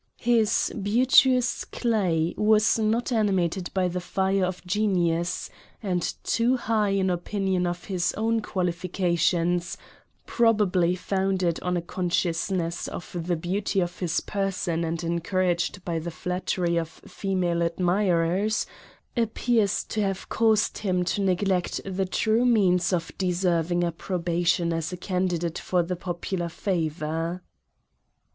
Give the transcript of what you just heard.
His " beauteous clay" was not animated by the fire of genius ; and too high an opinion of his own qualifications, probably founded on a conscious ness of the beauty of his person and encouraged by the flatteiy of female admirers, appears to have caused him to neglect the true means of deserving approbation as a candidate for popular favour.